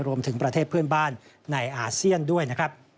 ประเทศเพื่อนบ้านในอาเซียนด้วยนะครับ